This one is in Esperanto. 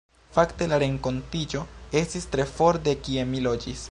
Fakte la renkontiĝo estis tre for de kie mi loĝis.